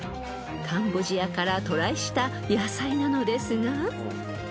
［カンボジアから渡来した野菜なのですが］